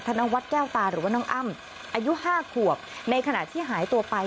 ธนวัฒน์แก้วตาหรือว่าน้องอ้ำอายุ๕ขวบในขณะที่หายตัวไป